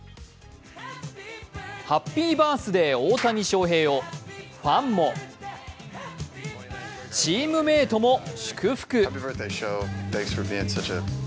ハッピーバースデー大谷翔平をファンもチームメイトも祝福。